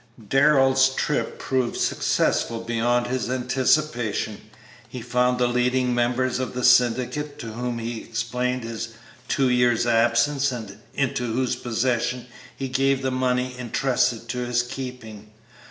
Darrell's trip proved successful beyond his anticipations. He found the leading members of the syndicate, to whom he explained his two years' absence and into whose possession he gave the money intrusted to his keeping.